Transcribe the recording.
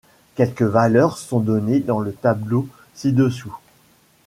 Quelques valeurs sont données dans le tableau ci-dessous.